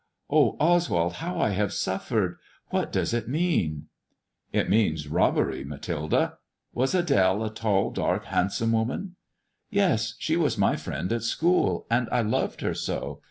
Oh, Oswald, how I have suffered ! What does it mean 1 " 884 MY COUSIN FROM FRANCE " It means robbery, Mathilde. Was AdMe a tall, dark, handsome woman )"" Yes. She was my friend at school, and I loved her so.